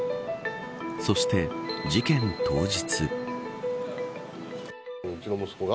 そして、事件当日。